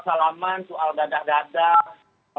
salaman soal dadah dadah